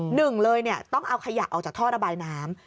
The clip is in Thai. หนึ่งเลยต้องเอาขยะออกจากท่อระบายน้ำ